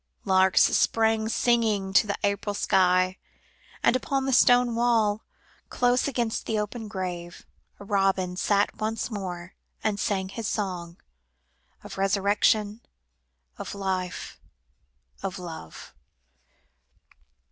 Larks sprang singing to the April sky, and upon the stone wall close against the open grave, a robin sat once more, and sang his song, of resurrection, of life, of love.